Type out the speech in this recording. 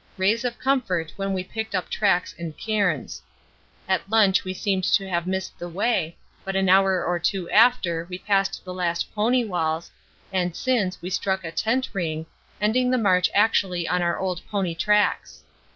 Rays of comfort when we picked up tracks and cairns. At lunch we seemed to have missed the way, but an hour or two after we passed the last pony walls, and since, we struck a tent ring, ending the march actually on our old pony tracks.